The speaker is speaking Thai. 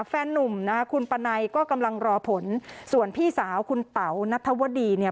นุ่มนะคุณปะไนก็กำลังรอผลส่วนพี่สาวคุณเต๋านัทวดีเนี่ย